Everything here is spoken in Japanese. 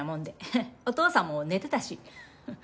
お父さんも寝てたし。